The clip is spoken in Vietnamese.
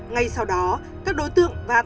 ngay sau đó các đối tượng và tàu